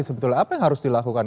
sebetulnya apa yang harus dilakukan